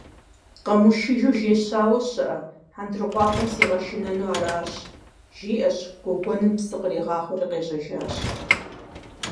«Къэмыушыжу жей щауэ щыӀэ? Хьэндыркъуакъуэм сигъэшынэну аращ», - жиӀэщ, гуэгуэным псы къригъахъуэри къежьэжащ.